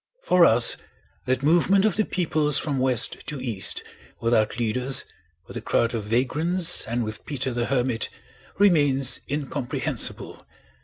For us that movement of the peoples from west to east, without leaders, with a crowd of vagrants, and with Peter the Hermit, remains incomprehensible.